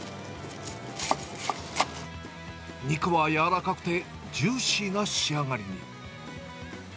肉は柔らかくて、ジューシーな仕上がりに。